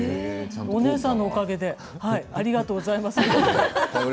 お姉さんのおかげでありがとうございます。